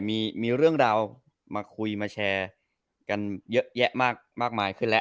มีเรื่องราวมาคุยมาแชร์กันเยอะแยะมากมายขึ้นแล้ว